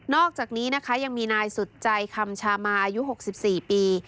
อกจากนี้นะคะยังมีนายสุดใจคำชามาอายุ๖๔ปี